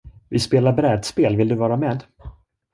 Vi spelar brädspel vill du vara med?